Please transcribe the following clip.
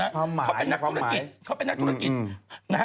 ถือว่าเพราะง่าย